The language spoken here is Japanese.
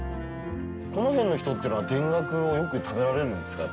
この辺の人っていうのは田楽をよく食べられるんですか？